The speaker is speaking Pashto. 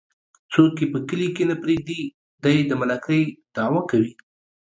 څوک يې په کلي کې نه پرېږدي ،دى د ملکۍ دعوه کوي.